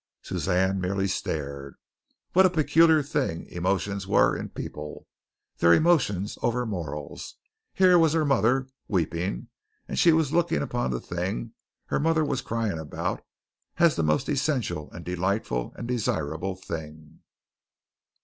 Suzanne merely stared. What a peculiar thing emotions were in people their emotions over morals. Here was her mother, weeping, and she was looking upon the thing her mother was crying about as the most essential and delightful and desirable thing.